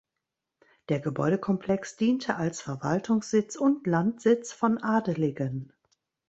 Der Gebäudekomplex diente als Verwaltungssitz und Landsitz von Adeligen.